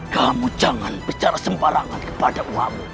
kamu jangan bercerita sembarangan kepada uakmu